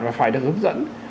và phải được hướng dẫn